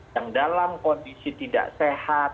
yang dalam kondisi tidak sehat kurang sehat